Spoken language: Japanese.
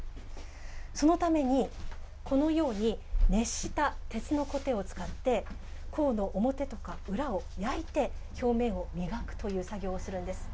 そのためにこのように熱した鉄のコテを使って甲の表とか裏を焼いて表面を磨くという作業をするんです。